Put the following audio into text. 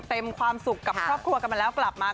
ความสุขกับครอบครัวกันมาแล้วกลับมา